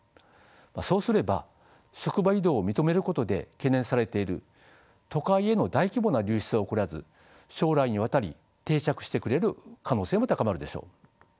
そうすれば職場移動を認めることで懸念されている都会への大規模な流出は起こらず将来にわたり定着してくれる可能性も高まるでしょう。